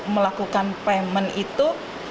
melakukan payment itu